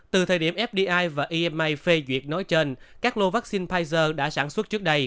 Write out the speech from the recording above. từ thời điểm fdi và ema phê duyệt nói trên các lô vaccine pfizer đã sản xuất trước đây